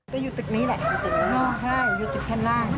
ก็อยู่ตึกนี้แหละอยู่ตึกนี้ใช่อยู่ตึกข้างล่าง